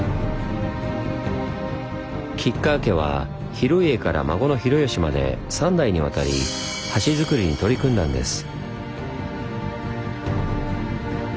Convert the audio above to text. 吉川家は広家から孫の広嘉まで３代にわたり橋づくりに取り組んだんです。